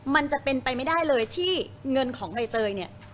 มันจะเป็นไปไม่ได้เลยที่เงินของใบเตยเนี่ย